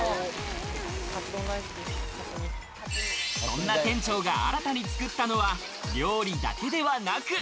そんな店長が新たに作ったのは料理だけではなく。